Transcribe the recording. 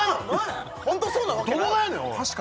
どこがやねんおい！